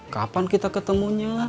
kapan kita ketemunya